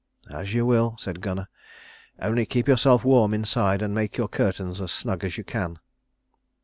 "As you will," said Gunnar; "only keep yourself warm inside, and make your curtains as snug as you can."